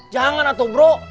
jangan atu bro